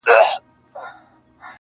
د پاولیو د پایلو شرنګ به نه وي -